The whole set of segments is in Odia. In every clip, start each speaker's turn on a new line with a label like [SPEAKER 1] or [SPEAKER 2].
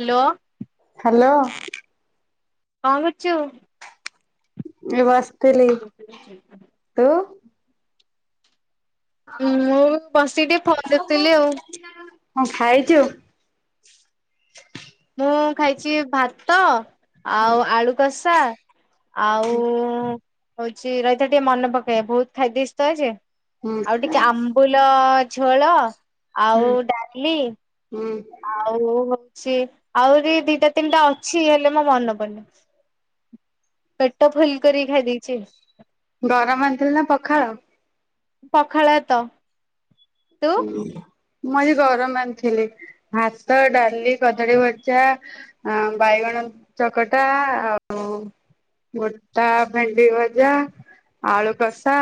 [SPEAKER 1] ହାଲୋ।
[SPEAKER 2] ହାଲୋ।
[SPEAKER 1] କଁ କରଚୁ?
[SPEAKER 2] ଏଇ ବାସିଥିଲି, ତୁ?
[SPEAKER 1] ଉଁ ମୁଁ ବସିିକି ଟିକେ ଫୋନ ଦେଖୁଥିଲି ଆଉ।
[SPEAKER 2] କଁ ଖାଇଚୁ?
[SPEAKER 1] ମୁଁ ଖାଇଚି ଭାତ ଆଉ ଆଳୁ କଷା। ଆଉ ହଉଛି ରହିଥା ଟିକେ ମନେ ପକାଏ ବହୁତ ଖାଇ ଦେଇଛି ତ ଆଜି।
[SPEAKER 2] ହୁଁ
[SPEAKER 1] ଆଉ ଟିକେ ଆମ୍ବୁଲ ଝୋଳ ଆଉ ଡାଲି।
[SPEAKER 2] ଉଁ।
[SPEAKER 1] ଆଉ ହଉଛି ଆହୁରି ଦିଟା ତିନିଟା ଅଛି ହେଲେ ମୋ ମନେ ପଡ଼ନି। ପେଟ ଫୁଲ କରି ଖାଇ ଦେଇଛି।
[SPEAKER 2] ଗରମ ଆଣିଥିଲୁ ନା ପଖାଳ?
[SPEAKER 1] ପଖାଳ ଆତ ତୁ
[SPEAKER 2] ମୁଁ ଆଜି ଗରମ ଆଣି ଥିଲି, ଭାତ, ଡାଲି, କଦଳୀ ଭଜା। ଆ ବାଇଗଣ ଚକଟା ଆଉ ଗୋଟା ଭେଣ୍ଡି ଭଜା, ଆଳୁ କଷା।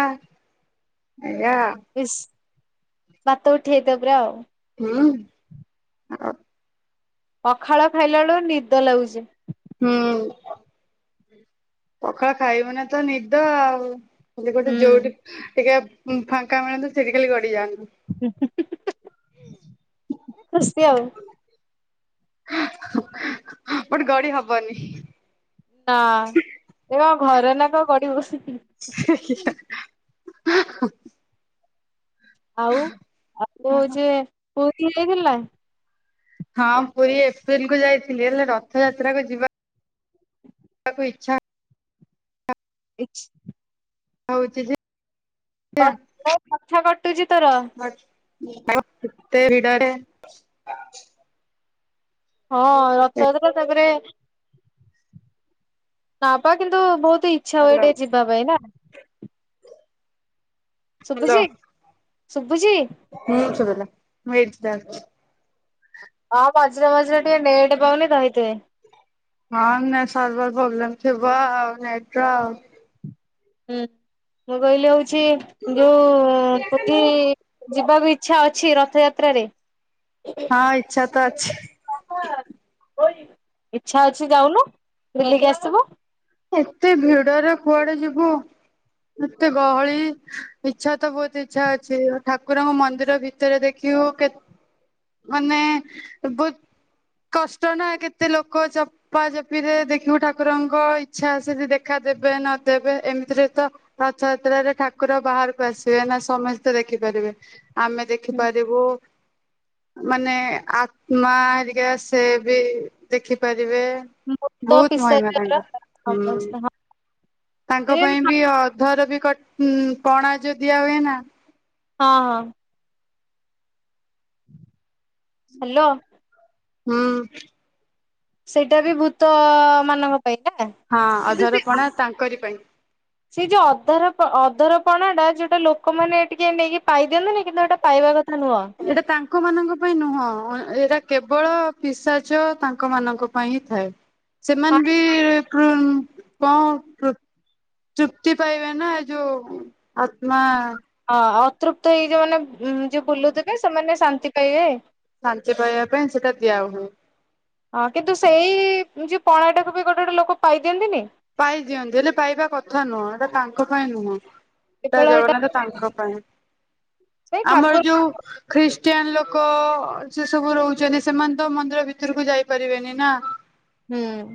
[SPEAKER 2] ଏୟା।
[SPEAKER 1] ଇଷ୍ ଭାତ ଉଠିଯାଇଥିବ ପୁରା।
[SPEAKER 2] ହୁଁ। ଆଉ
[SPEAKER 1] ପଖାଳ ଖାଇଲାଳୁ ନିଦ ଲାଗୁଚି।
[SPEAKER 2] ହୁଁ। ପଖାଳ ଖାଇବୁ ନା ତ ନିଦ ଆଉ ଖାଲି ଗୋଟେ ଯୋଉଠି ଟିକେ ଫାଙ୍କା ମିଳନ୍ତା ସେଠି ଖାଲି ଗଡି ଯାଆନ୍ତୁ।
[SPEAKER 1] [unintelligible] ଖୁସି ଆଉ।
[SPEAKER 2] ବଟ୍ ଗଡି ହବନି।
[SPEAKER 1] ନା ଏ କଁ ଘର ନା କ ଗଡିବୁ।
[SPEAKER 2] [unintelligible]
[SPEAKER 1] ଆଉ ଆପୁ ହଉଛି ପୁରୀ ଯାଇଥିଲା।
[SPEAKER 2] ହଁ ପୁରୀ ଏପ୍ରିଲ କୁ ଯାଇଥିଲି ହେଲେ ରଥଯାତ୍ରା କୁ ଯିବା କୁ ଇଛା।
[SPEAKER 1] ଏଇଛି।
[SPEAKER 2] ହଉଚି ଯେ
[SPEAKER 1] କ [unintelligible] କଥା କାଟୁଚି ତୋର।
[SPEAKER 2] [unintelligible] କେତେ ଭିଡରେ।
[SPEAKER 1] ହଁ ରଥଯାତ୍ରା ତାପରେ ନାପା କିନ୍ତୁ ବହୁତ ଇ ଇଛା ହୁଏ
[SPEAKER 2] ହାଲୋ
[SPEAKER 1] ଟିକେ ଯିବା ପାଇଁ ନା।
[SPEAKER 2] ହାଲୋ
[SPEAKER 1] ଶୁବୁଚି ଶୁବୁଚି।
[SPEAKER 2] ହୁଁ ସୁବିଲା ମୁଁ ଏଇଟି ଛିଡାହଉଚି।
[SPEAKER 1] ହଁ ମଝିରେ ମଝିରେ ଟିକେ ନେଟ ପାଉନି ତ ହେଇଥିପାଇଁ।
[SPEAKER 2] ହଁ ସର୍ଭର ପ୍ରୋବ୍ଲେମ ଥିବ ନେଟ୍ ର ଆଉ।
[SPEAKER 1] ହୁଁ ମୁଁ କହିଲି ହଉଛି ଯୋଉ କୋବି ଯିବାକୁ ଇଛା ଅଛି ରଥଯାତ୍ରା ରେ।
[SPEAKER 2] ହଁ ଇଚ୍ଛା ତ ଅଛି।
[SPEAKER 1] ଇଛା ଅଛି ଯାଉନୁ ବୁଲିକି ଆସିବୁ।
[SPEAKER 2] ଏତେ ଭିଡରେ କୁଆଡେ ଯିବୁ। ଏତେ ଗହଳି ଇଚ୍ଛା ତ ବହୁତ ଇଚ୍ଛା ଅଛି ଠାକୁରଙ୍କ ମନ୍ଦିର ବି ଭିତରେ ଦେଖିବୁ କେ ମାନେ ବୋ କଷ୍ଟ ନା କେତେ ଲୋକ ଚପା ଚପି ରେ ଦେଖିବ ଠାକୁରଙ୍କ ଇ ଛା ସେ ଯଦି ଦେଖାଦେବେ ନଦେବେ ଏମିତିରେ ତ ରଥଯାତ୍ରାରେ ଠାକୁର ବାହାରକୁ ଆସିବେ ନା ସମସ୍ତେ ଦେଖିପାରିବେ ଆମେ ଦେଖ ଦେଖିପାରିବୁ। ମାନେ ଆତ୍ମା ହରୀକା ସେ ବି ଦେଖିପାରିବେ।
[SPEAKER 1] ଭୂତ
[SPEAKER 2] ବହୁତ ମହିମା
[SPEAKER 1] ପିସାଚର
[SPEAKER 2] ତାଙ୍କର ହଁ
[SPEAKER 1] ସେ
[SPEAKER 2] ତାଙ୍କ ପାଇଁ
[SPEAKER 1] ହଁ
[SPEAKER 2] ବି ଅଧରବି କ ପଣା ଯୋଉ ଦିଆ ହୁଏ ନା
[SPEAKER 1] ହଁ ହଁ। ହାଲୋ।
[SPEAKER 2] ହଁ।
[SPEAKER 1] ସେଇଟା ବି ଭୂତ ମାନଙ୍କ ପାଇଁ ନା?
[SPEAKER 2] ହଁ ଅଧରପଣା ତାଙ୍କରି ପାଇଁ।
[SPEAKER 1] ସେଇ ଯୋଉ ଅଧର ଅଧରପଣାଟା ଯୋଉଟା ଲୋକମାନେ ଟିକେ ନେଇକି ପାଇଦିଅନ୍ତିନି କିନ୍ତୁ ଏଟା ପାଇବା କଥା ନୁହଁ।
[SPEAKER 2] ଏଇଟା ତାଙ୍କ ମାନଙ୍କ ପାଇଁ ନୁହଁ ଏଇଟା କେବଳ ପିସାଚ ତାଙ୍କ ମାନଙ୍କ ପାଇଁ ହିଁ ଥାଏ।
[SPEAKER 1] ହଁ
[SPEAKER 2] ସେମାନେ ବି କଣ ତୃ ଚୁକ୍ତି ପାଇବେ ନା ଏ ଯୋଉ ଆତ୍ମା
[SPEAKER 1] ହଁ ଅତୃପ୍ତ ହେଇ ଯୋଉମାନେ ଯଉ ବୁଲୁଥିବେ ସେମାନେ ଶାନ୍ତି ପାଇବେ।
[SPEAKER 2] ଶାନ୍ତି ପାଇବା ପାଇଁ ସେଟା ଦିଆ ହୁଏ।
[SPEAKER 1] ହଁ କିନ୍ତୁ ସେଇ ଯେଉଁ ପଣାଟାକୁ ବି ଗୋଟେ ଗୋଟେ ଲୋକ ପାଇଦିଅନ୍ତିନି।
[SPEAKER 2] ପାଇଦିଅନ୍ତି ହେଲେ ପାଇବା କଥା ନୁହଁ ଏଟା ତାଙ୍କ ପାଇଁ ନୁହଁ। ତା
[SPEAKER 1] କେବଳ ଏଇଟା
[SPEAKER 2] ଜଗନ୍ନାଥ ତାଙ୍କ ପାଇଁ
[SPEAKER 1] ପାଇଁ
[SPEAKER 2] ଆମର
[SPEAKER 1] ଠାକୁର
[SPEAKER 2] ଯୋଉ ଖ୍ରୀଷ୍ଟିଆନ ଲୋକ ସେ ସବୁ ରହୁଛନ୍ତି ସେମାନେ ତ ମନ୍ଦିର ଭିତରକୁ ଯାଇପାରିବେନି ନା।
[SPEAKER 1] ହୁଁ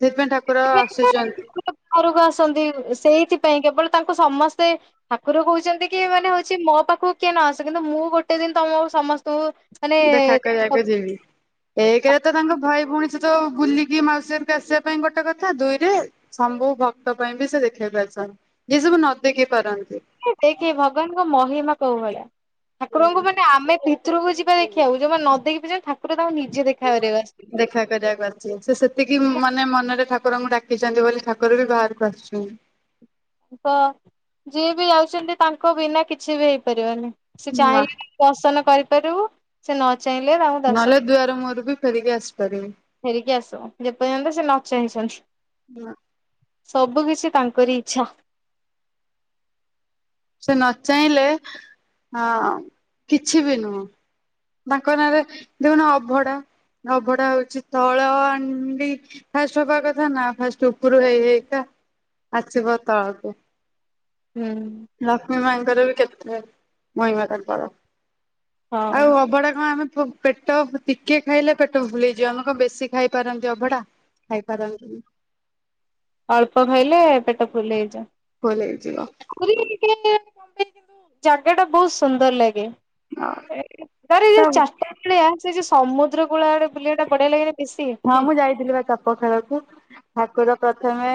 [SPEAKER 2] ସେଥିପାଇଁ ଠାକୁର ଆସୁଛନ୍ତି।
[SPEAKER 1] ଘରକୁ ଆସନ୍ତି ସେଇଥିପାଇଁ କେବଳ ତାଙ୍କୁ ସମସ୍ତେ ଠାକୁର କହୁଛନ୍ତି କି ମାନେ ହଉଛି ମୋ ପାଖକୁ କିଏ ନ ଆସ କିନ୍ତୁ ମୁଁ ଗୋଟେ ଦିନ ତମ ସମସ୍ତଙ୍କୁ ମାନେ
[SPEAKER 2] ଦେଖା କରିବାକୁ
[SPEAKER 1] ଦେଖିବାକୁ ଯିବି।
[SPEAKER 2] ଏକରେ ତ ତାଙ୍କ ଭାଇ ଭଉଣୀ ସଇତ ବୁଲିକି ମାଉସୀଅରକୁ ଆସିବା ପାଇଁ ଗୋଟେ କଥା ଦୁଇରେ ସମ୍ବୁ ଭକ୍ତ ପାଇଁ ବି ସେ ଦେଖେଇ ପାରିଛନ୍ତି ଯିଏ ସବୁ ନ ଦେଖି ପାରନ୍ତି।
[SPEAKER 1] ଦେଖେ ଭଗବାନଙ୍କ ମହିମା କୋଉ ଭଳିଆ ଠାକୁରଙ୍କୁ ମାନେ ଆମେ ଦି ଠକୁରକୁ ଯିବା ଦେଖିବାକୁ ଯଉମାନେ ନ ଦେଖି ପାରୁଛନ୍ତି ଠାକୁର ତାଙ୍କୁ ନିଜେ ଦେଖାକରିବାକୁ ଆସୁଛନ୍ତି।
[SPEAKER 2] ଦେଖା କରିବାକୁ ଅଶିଥିବେ ସେ ସେତିକି ମାନେ ମନରେ ଠାକୁରଙ୍କୁ ଡାକିଛନ୍ତି ବୋଲି ଠାକୁର ବି ବାହାରକୁ ଆସୁଛନ୍ତି।
[SPEAKER 1] ତ ଯିଏ ବି ଯାଉଛନ୍ତି ତାଙ୍କ ବିନା କିଛି ବି ହେଇପାରିବନି ସେ
[SPEAKER 2] ନା
[SPEAKER 1] ଚାହିଁଲେ ଦର୍ସନ କରିପାରିବୁ ସେ ନ ଚାହିଁଲେ ଦର୍ଶନ
[SPEAKER 2] ନହେଲେ ଦୁଆର ମୁହଁରୁ ବି ଫେରିକି ଆସିପାରିବୁ।
[SPEAKER 1] ଫେରିକି ଆସ ଯେପର୍ଯ୍ୟାନ୍ତ ସେ ନ ଚାହିଁଛନ୍ତି। ସବୁ କିଛି ତାଙ୍କରି ଇଚ୍ଛା।
[SPEAKER 2] ସେ ନଚାହିଁଲେ ଅ କିଛି ବି ନୁହଁ। ତାଙ୍କ ନାଁରେ ଦଖୁନ ଅଭଡା ଅଭଡା ହଉଛି ତଳ ଆଣ୍ଡି ଫାଷ୍ଟ ହବା କଥା ନା ଫାଷ୍ଟ ଉପରୁ ହେଇ ହେଇକା ଆସିବ ତଲକୁ।
[SPEAKER 1] ହୁଁ
[SPEAKER 2] ଲକ୍ଷ୍ମୀ ମାଙ୍କର ବି କେତେ ମହିମା ତାଙ୍କର।
[SPEAKER 1] ହଁ
[SPEAKER 2] ଆଉ ଅବଡା କଣ ଆମେ ଫୋ ପେଟ, ଟିକେ ଖାଇଲେ ପେଟ ଫୁଲ୍ ହେଇଯିବ, ଆମେ କଣ ବେଶୀ ଖାଇ ପାରନ୍ତି ଅଭଢା, ଖାଇପାରନ୍ତିନି।
[SPEAKER 1] ଅଳ୍ପ ଖାଇଲେ, ପେଟ ଫୁଲ ହେଇଯାଏ।
[SPEAKER 2] ଫୁଲ୍ ହେଇଯିବ।
[SPEAKER 1] ଆହୁରି ଟିକେ ମାନେ, ଜାଗା ଟା ବହୁତ ସୁନ୍ଦର ଲାଗେ।
[SPEAKER 2] ଆଉ
[SPEAKER 1] ତାରେ ଏଇ ଯୋଉ
[SPEAKER 2] ତ
[SPEAKER 1] ଚାରିଟା ବେଳିଆ ସେ ଯଉ ସମୁଦ୍ର କୂଳ ଆଡେ ବୁଲିବାଟା ବଢିଆ ଲାଗେନି ବେଶି।
[SPEAKER 2] ହଁ ମୁଁ ଯାଇଥିଲି ପା ଚାପ ଖେଳକୁ, ଠାକୁର ପ୍ରଥମେ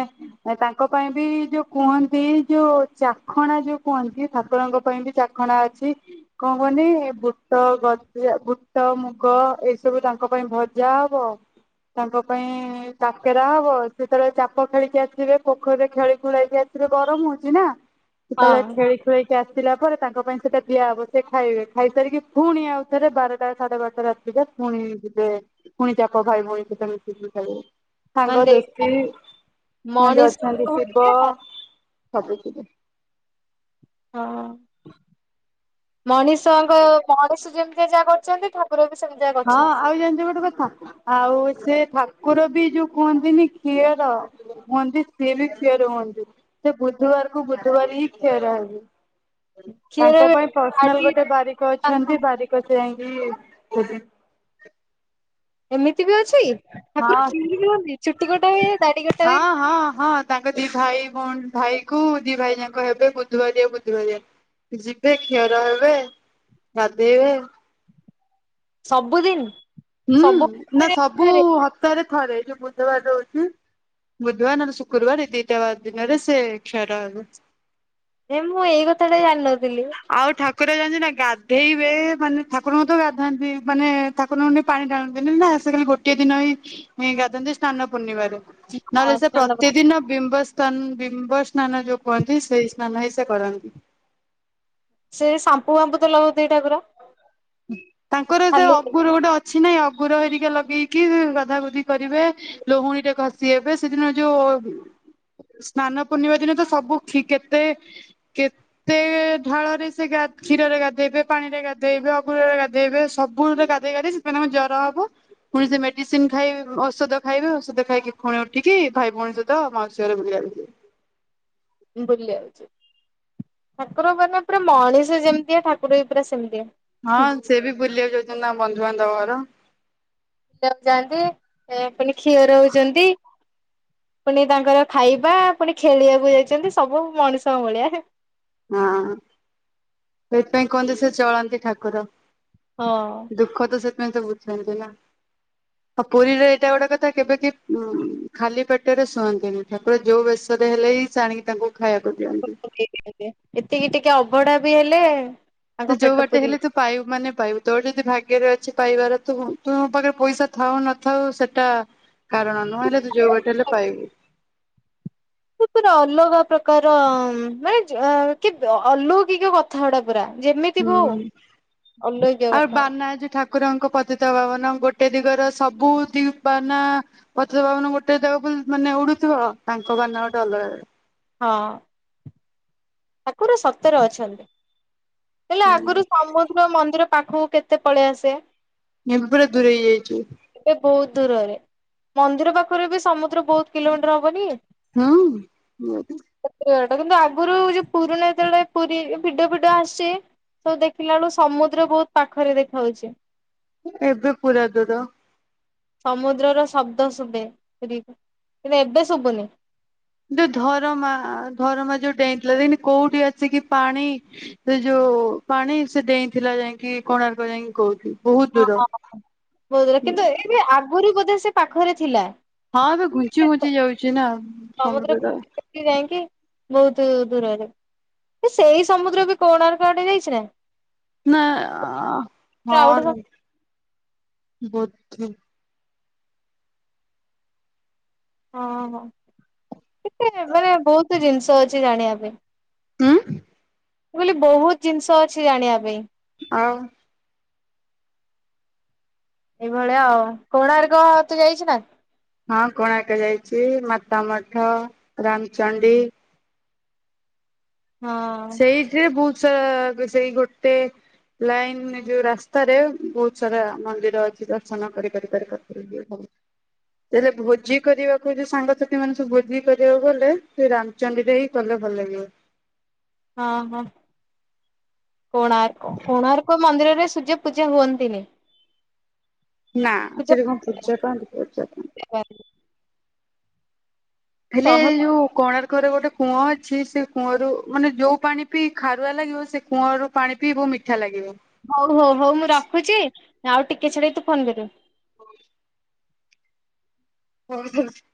[SPEAKER 2] ତାଙ୍କ ପାଇଁ ବି ଯୋଉ କୁହନ୍ତି, ଯୋଉ ଚାଖଣା ଯୋଉ କୁହନ୍ତି, ଠାକୁରଙ୍କ ପାଇଁ ବି ଚା ଚାଖଣା ଅଛି। କଣ କୁହନି, ବୁଟ ଗଜା, ବୁଟ ମୁଗ ଏଇ ସବୁ ତାଙ୍କ ପାଇଁ ଭଜା ହବ। ତାଙ୍କ ପାଇଁ କାକେରା ହବ, ସେତେବେଳେ ଚାପ ଖେଳିକି ଆସିବେ, ପୋଖରୀରେ ଖେଳି ଖୁଳେଇକି ଆସିବେ ଗରମ ହଉଛି ନା।
[SPEAKER 1] ଁ [inaudible]
[SPEAKER 2] ଯେତେବେଳେ ଖେଳି ଖୁଳେ ସେ ଆସିଲା ପରେ, ତାଙ୍କ ପାଇଁ ସେଇଟା ଦିଆହବ, ସେ ଖାଇବେ, ଖାଇସାରିକି ପୁଣି ଆଉଥରେ ବାରଟା ସାଢେ ବାରଟା ରେ ଆସିବେ। ପୁଣି ଯିବେ, ପୁଣି ଚାପ ଭାଇ ଭଉଣୀ ସହିତ ମିସିକି ଖେଳିବେ।
[SPEAKER 1] ମାନେ
[SPEAKER 2] ସାଙ୍ଗ
[SPEAKER 1] ଦେଖ
[SPEAKER 2] ଦୋସ୍ତି, ଯଉ
[SPEAKER 1] ମଣିଷ
[SPEAKER 2] ଅଛନ୍ତି
[SPEAKER 1] ହଁ
[SPEAKER 2] ଶିବ, ସବୁ ଥିବେ।
[SPEAKER 1] ହଁଅଁ। ମଣିଷଙ୍କ, ମଣିଷ ଯେମିତି ଯାହା କରୁଚନ୍ତି, ଠାକୁର ବି ସେମିତି ଯ
[SPEAKER 2] ହଁ, ଆଉ ଜାଣିଛ ଗୋଟେ କଥା। ଆଉ ସେ ଠାକୁର ବି ଯୋଉ କୁହନ୍ତିନି କ୍ଷିଅର କୁହନ୍ତି ସିଏ ବି କ୍ଷିଅର ହୁଅନ୍ତି, ସେ ବୁଧବାର କୁ ବୁଧବାର ହିଁ କ୍ଷୟର ହେବେ।
[SPEAKER 1] କ୍ଷୀର
[SPEAKER 2] ତାଙ୍କ ପାଇଁ ପର୍ସନାଲ ଗୋଟେ ବାରିକ ଅଛନ୍ତି, ବାରିକ ସେ ଯାଇକି ଯେ [unintelligible]
[SPEAKER 1] ଏମିତି ବି ଅଛି, ଠାକୁର
[SPEAKER 2] ହଁ
[SPEAKER 1] ସେଭିଙ୍ଗ ହୁଅନ୍ତି, ଚୁଟି କଟା ହୁଏ, ଦାଢ଼ି କଟା ହୁଏ।
[SPEAKER 2] ହଁ ହଁ ହଁ ତାଙ୍କ ଦି ଭାଇଭଉଣୀ ଭାଇ କୁ, ଦି ଭାଇ ଯାଙ୍କ ହେବେ ବୁଧୁବାରିଆ ବୁଧୁବାରିଆ। ଯିବେ, କ୍ଷିଅର ହେବେ, ଗାଧେଇବେ।
[SPEAKER 1] ସବୁଦିନି?
[SPEAKER 2] ହୁଁ, ନା ସବୁ ହପ୍ତାହରେ ଥରେ, ଯୋଉ ବୁଧବାର ରଉଚି। ବୁଧୁବାର, ନହେଲେ ଶୁକ୍ରବାର, ଏଇ ଦେଇଟା ବାର ଦିନରେ ସେ କ୍ଷିଅର ହେବେ।
[SPEAKER 1] ଏ ମୁଁ, ଏଇ କଥା ଟା ଜାଣିନଥିଲି।
[SPEAKER 2] ଆଉ ଠାକୁର ଜାଣିଚୁ ନା, ଗାଧେଇବେ, ମାନେ ଠାକୁରଙ୍କୁ ତ ଗାଧାନ୍ତି, ମାନେ ଠାକୁରଙ୍କ ଠି ପାଣି ଢାଳନ୍ତିନି ନା, ସେ ଖାଲି ଗୋଟିଏ ଦିନ ହିଁ ଗାଧାନ୍ତି, ସ୍ନାନ ପୂର୍ଣ୍ଣମାରେ।
[SPEAKER 1] ହଁ
[SPEAKER 2] ନହେଲେ ସେ
[SPEAKER 1] ସ୍ନାନ
[SPEAKER 2] ପ୍ରତିଦିନ ବିମ୍ବସ୍ ତନ୍, ବିମ୍ବ ସ୍ନାନ ଯୋଉ କୁହନ୍ତି, ସେଇ ସ୍ନାନ ହିଁ ସେ କରନ୍ତି।
[SPEAKER 1] ସେଇ ସାମ୍ପୁ ଫାମ୍ପୁ ତ ଲଗଉ ଥିବେ ଠାକୁର?
[SPEAKER 2] ତାଙ୍କର ସେ
[SPEAKER 1] ଖାଲି
[SPEAKER 2] ଅଗୁର ଗୋଟେ ଅଛି ନାଇ, ଅଗୁର ହେରିକା ଲଗେଇକି ଗାଧା ଗୁଧି କରିବେ। ଲହୁଣୀରେ ଘଷି ହେବେ, ସେଦିନ ଯୋଉ ଉ ସ୍ନାନ ପୂର୍ଣ୍ଣିମା ଦିନ ତ ସବୁ କେତେ କେତେ ଢାଳ ରେ ସେ ଗା, କ୍ଷୀରରେ ଗାଧେଇବେ, ପାଣି ରେ ଗାଧେଇବେ, ଅ ସବୁରେ ଗାଧେଇବେ, ସବୁରେ ଗାଧେଇ ଗାଧେଇ ସେଥିପାଇ ତାଙ୍କୁ ଜ୍ୱର ହବ। ପୁଣିସେ ମେଡିସିନ ଖାଇବେ ଔଷଧ ଖାଇବେ, ଔଷଧ ଖାଇକି, ପୁଣି ଉଠିକି ଭାଇ ଭଉଣୀ ସହିତ ମାଉସୀ ଘରେ ବୁଲିବାକୁ ଯିବେ।
[SPEAKER 1] ବୁଲି ଆଉଚି, ଠାକୁର ମାନେ ପୁରା ମଣିଷ ଯେମିତିଆ, ଠାକୁର ବି ପୁରା ସେମିତିଆ।
[SPEAKER 2] ହଁ, ସେ ବି ବୁଲିବାକୁ ଯାଉଚନ୍ତି, ତାଙ୍କ ବନ୍ଧୁବାନ୍ଧବ ଘର।
[SPEAKER 1] [unintelligible] ଯାନ୍ତି ପୁଣି କ୍ଷିଅର ହଉଛନ୍ତି। ମାନେ ତାଙ୍କର ଖାଇବା ପୁଣି ଖେଳିବାକୁ ଯାଇଛନ୍ତି ସବୁ ମଣିଷଙ୍କ ଭଳିଆ।
[SPEAKER 2] ହଁ। ସେଇଥିପାଇଁ କୁହନ୍ତି ସେ ଚଳନ୍ତି ଠାକୁର।
[SPEAKER 1] ହଁ।
[SPEAKER 2] ଦୁଃଖ ତ ସେଥିପାଇଁ ତ ବୁଝନ୍ତି ନା। ଆଉ ପୁରୀରେ ଏଇଟା ଗୋଟେ କଥା କେବେ କିିଏ ଉ ଖାଲି ପେଟରେ ଶୁଅନ୍ତିନି, ଠାକୁର ଯୋଉ ବେଶରେ ହେଲେ ବି ସେ ଆଣିକି ତାଙ୍କୁ ଖାଇବାକୁ ଦିଅ
[SPEAKER 1] ଏତିକି ଟିକେ ଅବଢା ବି ହେଲେ ତାଙ୍କ
[SPEAKER 2] ସେ ଯୋଉ
[SPEAKER 1] ପେଟ
[SPEAKER 2] ବାଟେ
[SPEAKER 1] ପୁରି
[SPEAKER 2] ହେଲେ ତ ପାଇବୁ ମାନେ ପାଇବୁ। ତୋର ଯଦି ଭାଗ୍ୟରେ ଅଛି ପାଇବାର ତ ତୋ ପାଖରେ ପଇସା ଥାଉ ନଥାଉ ସେ ଟା କାରଣ ନୁହଁ। ହେଲେ ତୁ ଯଉ ବାଟରେ ହେଲେ ପାଇବୁ।
[SPEAKER 1] ପୁରା ଅଲଗା ପ୍ରକାର ମାନେ ଯେ କି ଅଲୋକିକ କଥା ଗୁଡ଼ା ପୁରା। ଯେମିତି ବି ହଉ ଅଲୋକିକ କଥା ଗୁରା।
[SPEAKER 2] ନାଇଁ ଯେ ଠା କୁରଙ୍କ ପତିତ ପାବନ ଗୋଟେ ଦିଗର ସବୁ ଦି ବାନା ପତିତ ପାବନ ଗୋଟେ [unintelligible] ବୋଲି ମାନେ ଉଡୁଥିବ, ତାଙ୍କ ବାନା ଗୋଟେ ଅଲଗା
[SPEAKER 1] ହଁ। ଠାକୁର ସତରେ ଅଛନ୍ତି। ହେଲେ ଆଗରୁ ସମୁ ଦ୍ର ମନ୍ଦିର ପାଖକୁ କେତେ ପଳେଇ ଆସେ।
[SPEAKER 2] ଏବେ ପୁରା ଦୂରେଇ ଯାଇଚି।
[SPEAKER 1] ଏବେ ବହୁତ ଦୂରରେ। ମନ୍ଦିର ପାଖରୁ ବି ସମୁଦ୍ର ବହୁତ୍ କିଲୋମିଟର ହବନି?
[SPEAKER 2] ହଁ।
[SPEAKER 1] [unintelligible] କିନ୍ତୁ ଆଗରୁ ଯୋଉ ପୁରୁଣା ଯେତେବେଳେ ପୁରୀ ଭିଡଓ ଫିଡିଓ ଆସେ ସବୁ ଦେଖିଲା ବେଳୁ ସମୁଦ୍ର ବହୁତ ପାଖରେ ଦେଖା ଯାଉଚି।
[SPEAKER 2] ଏବେ ପୁରା ଦୂର।
[SPEAKER 1] ସମୁଦ୍ରର ଶବ୍ଦ ଶୁଭେ। କିନ୍ତୁ ଏବେ ଶୁଭୁନି।
[SPEAKER 2] ଯଉ ଧରମା ଧରମା ଯୋଉ ଡେଇଁଥିଲା ଦେଖୁନୁ କୋଉଠି ଆସିକି ପାଣି ସେ ଯୋଉ ପାଣି ସେ ଡେଇଁ ଥିଲା ଯାଇଁକି କୋଣାର୍କ ଯାଇଁକି କୋଉଠି। ବହୁତ ଦୂର।
[SPEAKER 1] ହଁ। କିନ୍ତୁ ଏବେ ଆଗରୁ ବୋଧେ ସେ ପାଖରେ ଥିଲା।
[SPEAKER 2] ହଁ ଏବେ ଘୁଞ୍ଚି ଘୁଞ୍ଚି ଯାଉଚି ନା।
[SPEAKER 1] ସମୁଦ୍ର
[SPEAKER 2] ସମୁଦ୍ରଟା
[SPEAKER 1] [unintelligible] ଯାଇଁକି ବହୁତ ଦୂରରେ। ସେଇ ସମୁଦ୍ର ବି କୋଣାର୍କ ଆଡ଼େ ଯାଇଚି ନା?
[SPEAKER 2] ନା
[SPEAKER 1] ଆଉ ଗୋଟେ ସମୁଦ୍ର
[SPEAKER 2] ହଁ ବୋଧେ।
[SPEAKER 1] ହଁ ହଁ। କେତେ ମାନେ ବହୁତୁ ଜିନିଷ ଅଛି ଜାଣିବା ପାଇଁ।
[SPEAKER 2] ଉଁ।
[SPEAKER 1] ମୁଁ କହିଲି ବହୁତ୍ ଜିନିଷ ଅଛି ଜାଣିବା ପାଇଁ।
[SPEAKER 2] ଆଉ
[SPEAKER 1] ଏଇଭଳିଆ ଆଉ। କୋଣାର୍କ ତୁ ଯାଇଚୁ ନା?
[SPEAKER 2] ହଁ କୋଣାର୍କ ଯାଇଚି, ମାତା ମଠ, ରାମଚଣ୍ଡି
[SPEAKER 1] ହଁ
[SPEAKER 2] ସେଇଥିରେ ବହୁତ ସାରା ସେଇ ଗୋଟେ ଲାଇନ୍ ଯୋଉ ରାସ୍ତାରେ ବହୁତ ସାରା ମନ୍ଦିର ଅଛି ଦର୍ଶନ କରି କରି କରି କରି [unintelligible] [unintelligible] ଏରେ ଭୋଜି କରିବାକୁ ଯୋଉ ସାଙ୍ଗସାଥି ମାନେ ସବୁ ଭୋଜି କରିବାକୁ ଗଲେ ସେ ରାମ୍ ଚଣ୍ଡି ଦେଇ କଲେ ଭଲ ଲାଗିବ।
[SPEAKER 1] ହଁ ହଁ। କୋଣାର୍କ କୋଣାର୍କ ମନ୍ଦିରରେ ସୂର୍ଯ୍ୟ ପୂଜା ହୁଅନ୍ତିନି।
[SPEAKER 2] ନା
[SPEAKER 1] ପୂଜା
[SPEAKER 2] ସେଠି କଣ ପୂଜା ପାନ୍ତି ପୂଜା ପା ହେଲେ
[SPEAKER 1] ରହ
[SPEAKER 2] ଏଯୋଉ କୋଣାର୍କରେ ଗୋଟେ କୂଅ ଅଛି ସେକୂଅରୁ ମାନେ ଯୋଉ ପାଣି ପିଇ ଖାରୁଆ ଲାଗିବ ସେକୂଅରୁ ପାଣି ପିଇବ ମିଠା ଲାଗିବ।
[SPEAKER 1] ହଉ ହଉ ହଉ ମୁଁ ରଖୁଚି ଆଉ ଟିକେ ଛାଡ଼ିକି ତୁ ଫୋନ୍ କରିବୁ।
[SPEAKER 2] ହଉ। [unintelligible]